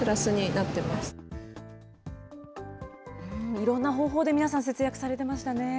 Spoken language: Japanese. いろんな方法で皆さん、節約されてましたね。